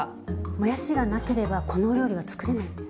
もやしがなければこのお料理は作れないんです。